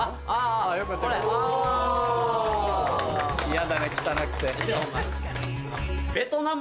嫌だね汚くて。